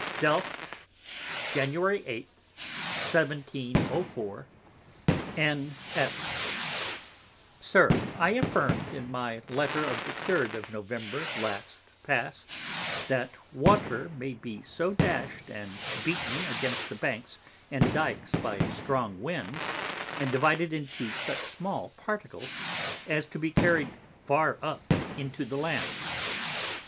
Delft, Jan. 8. 1704. N.S. SIR, I affirmed in my Letter of the 3d of November last past, that Water may be so dash'd and beaten against the Banks and Dikes by a strong Wind, and divided into such small Particles, as to be carried far up into the Land.